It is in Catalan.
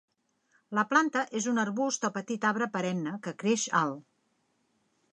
La planta es un arbust o petit arbre perenne, que creix alt.